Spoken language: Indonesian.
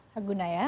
hak guna ya